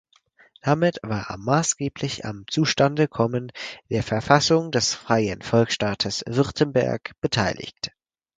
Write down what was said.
Damit war er maßgeblich am Zustandekommen der Verfassung des freien Volksstaates Württemberg beteiligt.